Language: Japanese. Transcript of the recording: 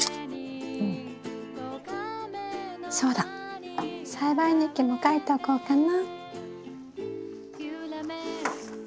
そうだ栽培日記も書いておこうかな。